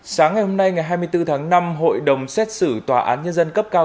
sáng ngày hôm nay ngày hai mươi bốn tháng năm hội đồng xét xử tòa án nhân dân cấp cao